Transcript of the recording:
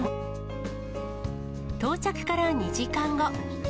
到着から２時間後。